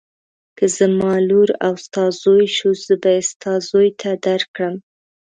که زما لور او ستا زوی شو زه به یې ستا زوی ته درکړم.